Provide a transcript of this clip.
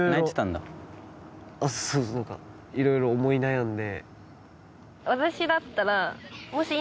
そうそう何かいろいろ思い悩んで。